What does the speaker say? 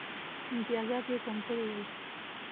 امتیازات یې کم کړي ول.